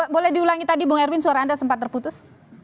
boleh diulangi tadi bu erwin suara anda sempat terputus